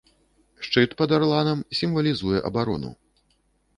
Шчыт пад арланам сімвалізуе абарону.